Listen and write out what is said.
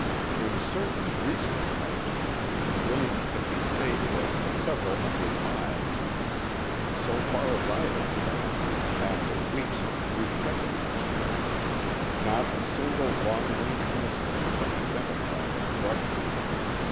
In certain recent types, the range can be stated as several hundred miles. So far as I have learned, after weeks of rechecking this point, not a single long range missile has been identified as Russian.